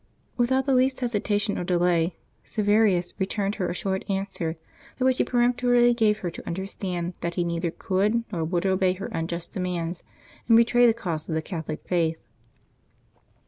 Without the least hesitation or delay, Silverius re turned her a short answer, by which he peremptorily gave her to understand that he neither could nor would obey her unjust demands and betray the cause of the Catholic faith.